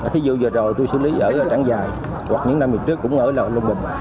thí dụ giờ rồi tôi xử lý ở trảng dại hoặc những năm trước cũng ở long bình